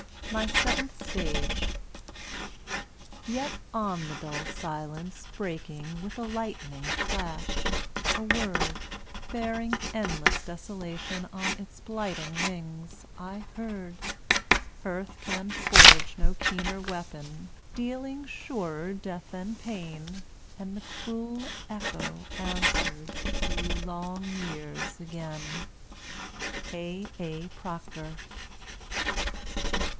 MY SEVENTH STAGE Yet on the dull silence breaking With a lightning flash, a word, Bearing endless desolation On its blighting wings, I heard; Earth can forge no keener weapon, Dealing surer death and pain, And the cruel echo answered Through long years again. A. A. PROCTER.